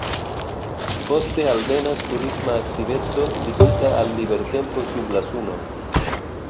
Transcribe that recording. Poste alvenas turisma aktiveco ligita al libertempo sub la suno.